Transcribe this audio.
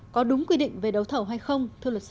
có đúng quy định về đấu thầu hay không